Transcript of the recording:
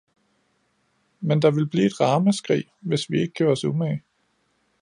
Men der ville blive et ramaskrig, hvis vi ikke gjorde os umage.